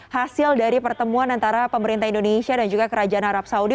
hasil dari pertemuan antara pemerintah indonesia dan juga kerajaan arab saudi